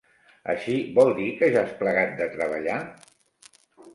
Així, vol dir que ja has plegat de treballar?